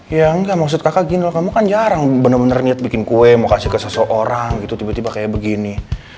ya enggak maksud kakak gini loh kamu kan jarang bener bener niat bikin kue mau kasih ke seseorang gitu tiba tiba kayak begini